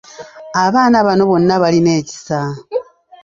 Abaana bano bonna balina ekisa.